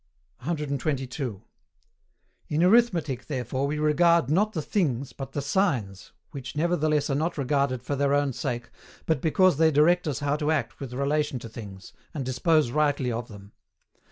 122. In Arithmetic, therefore, we regard not the things, but the signs, which nevertheless are not regarded for their own sake, but because they direct us how to act with relation to things, and dispose rightly of them.